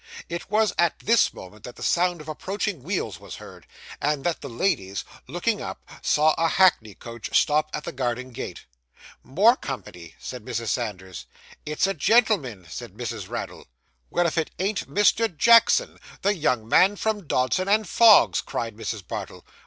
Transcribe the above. It was at this moment, that the sound of approaching wheels was heard, and that the ladies, looking up, saw a hackney coach stop at the garden gate. 'More company!' said Mrs. Sanders. 'It's a gentleman,' said Mrs. Raddle. 'Well, if it ain't Mr. Jackson, the young man from Dodson and Fogg's!' cried Mrs. Bardell.